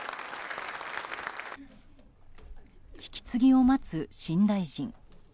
引き継ぎを待つ新大臣。